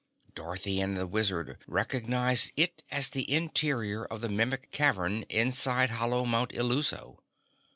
Dorothy and the Wizard recognized it as the interior of the Mimic cavern inside hollow Mount Illuso.